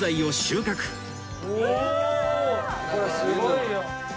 これすごいよ！